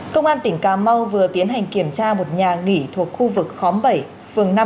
công an tỉnh cà mau vừa tiến hành kiểm tra một nhà nghỉ thuộc khu vực khóm bảy phường năm